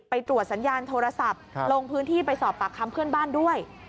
ไปตรวจสัญญาณโทรศัพท์ลงพื้นที่ไปสอบปากคำเพื่อนบ้านด้วย